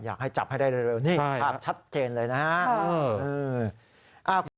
อยากให้จับให้ได้เร็วนี่ภาพชัดเจนเลยนะครับ